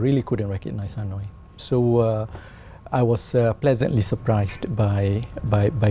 vì vậy chúng tôi tin vào tình trạng lãnh đạo